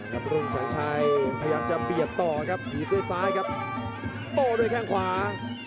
ครับรุ่งสัญชัยพยายามจะเปรียบต่อครับหยีดด้วยซ้ายครับโตด้วยข้างขวา